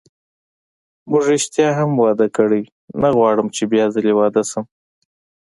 موږ ریښتیا هم واده کړی، نه غواړم چې بیا ځلي واده شم.